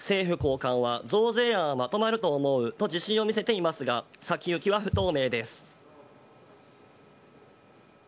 政府高官は当然、まとまると思うと自信を見せていますが先行きは不透明です。